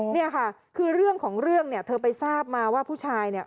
เนี่ยค่ะคือเรื่องของเรื่องเนี่ยเธอไปทราบมาว่าผู้ชายเนี่ย